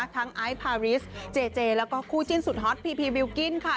ไอซ์พาริสเจเจแล้วก็คู่จิ้นสุดฮอตพีพีบิลกิ้นค่ะ